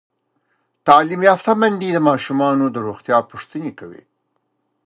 تعلیم یافته میندې د ماشومانو د روغتیا پوښتنې کوي.